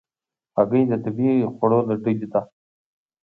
هګۍ د طبیعي خوړو له ډلې ده.